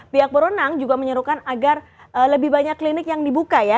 pihak berwenang juga menyuruhkan agar lebih banyak klinik yang dibuka ya